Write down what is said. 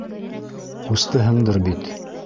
Ҡустыһыңдыр бит?